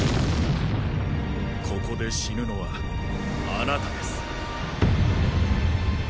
ここで死ぬのはあなたです。